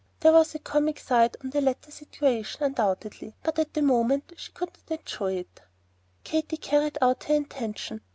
There was a comic side to the latter situation, undoubtedly, but at the moment she could not enjoy it. Katy carried out her intention.